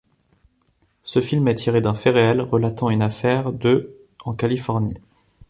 Ce film est tiré d'un fait réel relatant une affaire de en Californie.